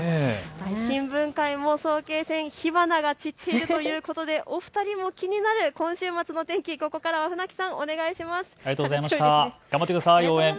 新聞会も早慶戦、火花が散っているということでお二人も気になる今週末の天気、船木さん、お願いします。